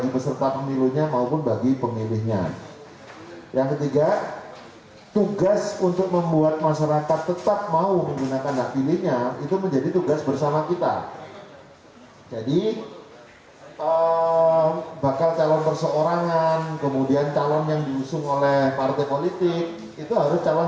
kpu masih akan melakukan proses pemutakhiran